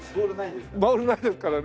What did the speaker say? ボールないですからね。